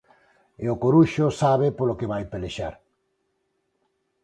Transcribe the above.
E o Coruxo sabe polo que vai pelexar.